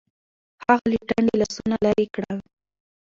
هغه له ټنډې لاسونه لرې کړل. .